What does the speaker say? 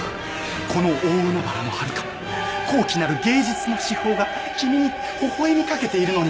この大海原のはるかに高貴なる芸術の至宝が君にほほえみかけているのに。